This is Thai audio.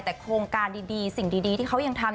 แต่โครงการดีสิ่งดีที่เขายังทำ